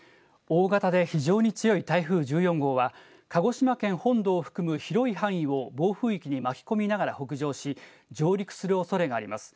大型で非常に強い台風１４号は、鹿児島県本土を含む広い範囲を暴風域に巻き込みながら北上し、上陸するおそれがあります。